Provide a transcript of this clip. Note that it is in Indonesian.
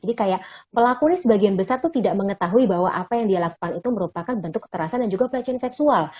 jadi kayak pelakunya sebagian besar tuh tidak mengetahui bahwa apa yang dia lakukan itu merupakan bentuk kekerasan dan juga pelecehan seksual